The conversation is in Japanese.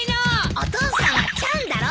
お父さんは「チャン」だろ！